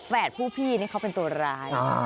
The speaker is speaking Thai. ผู้พี่นี่เขาเป็นตัวร้าย